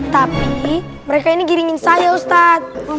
tapi mereka ini giringin saya ustadz